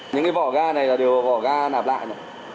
những cái vỏ ga này là đều vỏ ga nạp lại rồi